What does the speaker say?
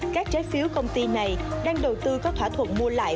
các trái phiếu công ty này đang đầu tư có thỏa thuận mua lại